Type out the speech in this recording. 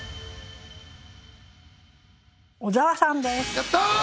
小沢さんです。